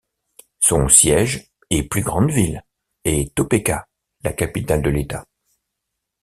Son siège, et plus grande ville, est Topeka, la capitale de l'État.